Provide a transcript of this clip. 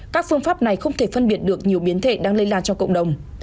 các phương pháp này không thể phân biệt được nhiều biến thể đang lây lan cho cộng đồng